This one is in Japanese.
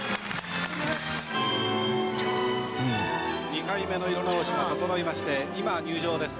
２回目の色直しが整いまして今入場です。